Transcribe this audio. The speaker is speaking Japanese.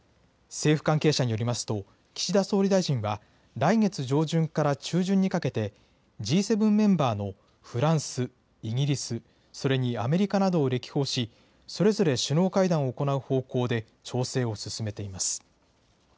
政府関係者によりますと、岸田総理大臣は、来月上旬から中旬にかけて、Ｇ７メンバーのフランス、イギリス、それにアメリカなどを歴訪し、それぞれ首脳会談を行う方向で調整を進めています。